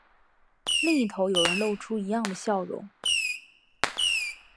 另一头有人露出一样的笑容